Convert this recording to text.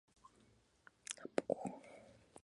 Actualmente dirige al Manchester United.